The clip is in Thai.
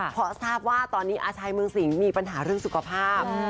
เพราะทราบว่าตอนนี้อาชายเมืองสิงห์มีปัญหาเรื่องสุขภาพ